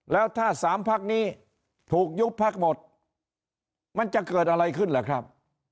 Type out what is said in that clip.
แล้วถ้าสามพักนี้ถูกยุบพักหมดมันจะเกิดอะไรขึ้นล่ะครับ